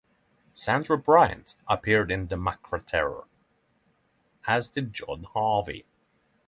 Sandra Bryant appeared in "The Macra Terror", as did John Harvey.